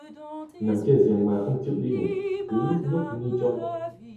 Nằm trên giường mà không chịu đi ngủ, cứ lúc nhúc như troi